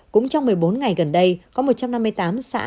cũng trong một mươi bốn ngày gần đây có một trăm năm mươi tám xã